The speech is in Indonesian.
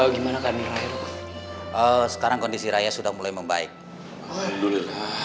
gimana kali raya sekarang kondisi raya sudah mulai membaik hai